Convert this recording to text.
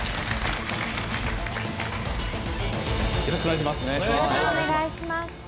よろしくお願いします。